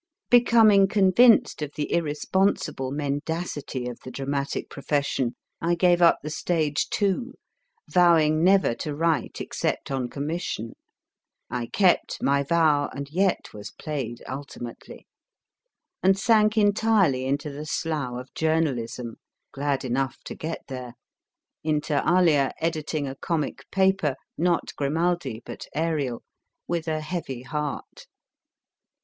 Becoming convinced of the irresponsible mendacity of the dramatic profession, I gave up the stage, too, vowing never to write except on commission (I kept my vow and yet was played ultimately), and sank entirely into the slough of journalism (glad enough to get there), inter alia editing a comic paper (not Grimaldi, but Ariel) with a heavy heart.